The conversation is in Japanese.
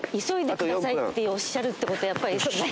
「急いでください」っておっしゃるってことは急ぐね。